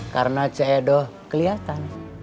karena ce doh kelihatan